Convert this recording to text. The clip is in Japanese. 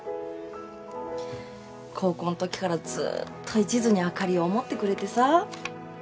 高校んときからずっといちずにあかりを思ってくれてさ。